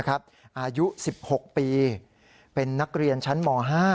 อายุ๑๖ปีเป็นนักเรียนชั้นม๕